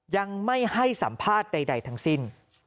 ยังไม่ให้สัมภาษณ์ใดทั้งสิ้น